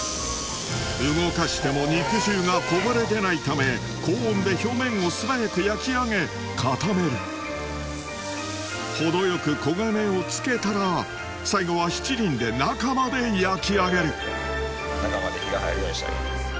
動かしても肉汁がこぼれ出ないため高温で表面を素早く焼き上げ固める程よく焦げ目をつけたら最後は七輪で中まで焼き上げる中まで火が入るようにしてあげます。